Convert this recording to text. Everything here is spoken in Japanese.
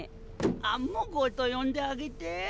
アンモ号と呼んであげて。